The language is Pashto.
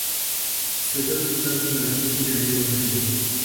صدک استاد په هډه کې نارې وهلې.